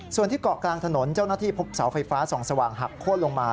ส่วนที่เกาะกลางถนนเจ้าหน้าที่พบเสาไฟฟ้าส่องสว่างหักโค้นลงมา